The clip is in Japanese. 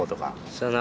そうやな。